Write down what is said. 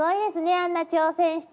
あんな挑戦して。